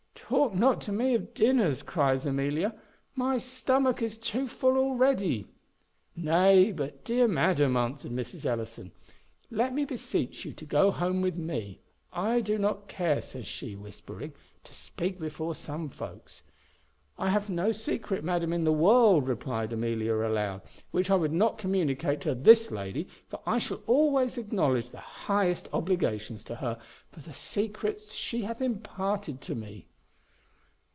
"Talk not to me of dinners," cries Amelia; "my stomach is too full already." "Nay, but, dear madam," answered Mrs. Ellison, "let me beseech you to go home with me. I do not care," says she, whispering, "to speak before some folks." "I have no secret, madam, in the world," replied Amelia aloud, "which I would not communicate to this lady; for I shall always acknowledge the highest obligations to her for the secrets she hath imparted to me."